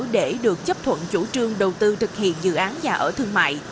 để được chấp thuận chủ trương đầu tư thực hiện dự án nhà ở thương mại